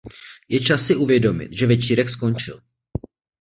Je čas si uvědomit, že večírek skončil.